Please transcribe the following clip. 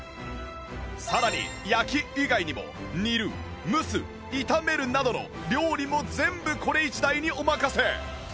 さらに焼き以外にも煮る蒸す炒めるなどの料理も全部これ一台にお任せ！